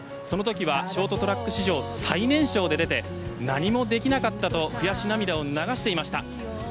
そのときはショートトラック史上初最年少で出て何もできなかったと悔し涙を流していました。